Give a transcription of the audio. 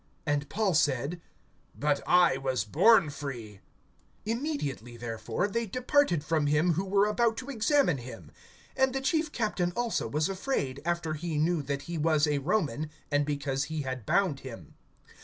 And Paul said: But I was born free. (29)Immediately, therefore, they departed from him who were about to examine him; and the chief captain also was afraid, after he knew that he was a Roman, and because he had bound him.